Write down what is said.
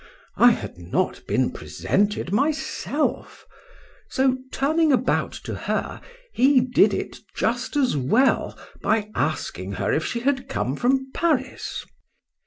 —I had not been presented myself;—so turning about to her, he did it just as well, by asking her if she had come from Paris?